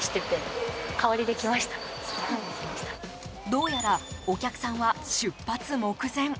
どうやらお客さんは出発目前。